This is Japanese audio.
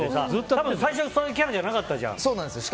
多分、最初そういうキャラじゃなかったじゃない。